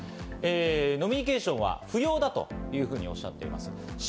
飲みニケーションは不要だというふうにおっしゃっています。